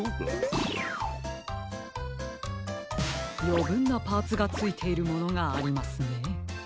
よぶんなパーツがついているものがありますね。